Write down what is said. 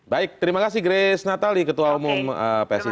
baik terima kasih grace natali ketua umum psi